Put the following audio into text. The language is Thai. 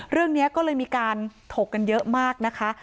เรื่องนี้ก็เลยมีการถกกันเยอะมากนะคะ